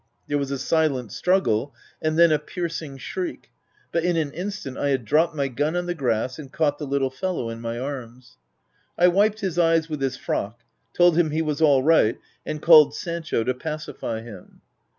There was a silent strug gle, and then a piercing shriek ;— but, in an instant, I had dropped my gun on the grass, and caught the little fellow in my arms. I wiped his eyes with his frock, told him he was ail right, and called Sancho to pacify him.